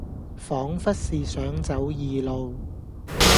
仿佛是想走異路，